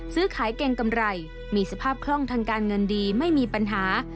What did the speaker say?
ซื้อขายแกงกำไรมีสภาพคล่องทางการเงินดีไม่มีปัญหา